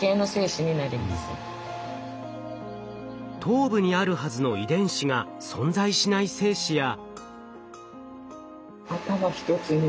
頭部にあるはずの遺伝子が存在しない精子や。